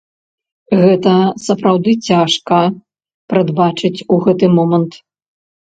Гэта сапраўды цяжка прадбачыць у гэты момант.